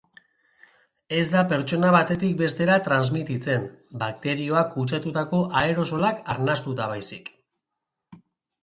Ez da pertsona batetik bestera transmititzen, bakterioak kutsatutako aerosolak arnastuta baizik.